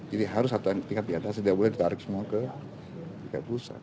jadi harus satu tingkat di atasnya tidak boleh ditarik semua ke tiga pusat